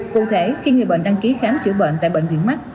cụ thể khi người bệnh đăng ký khám chữa bệnh tại bệnh viện mắt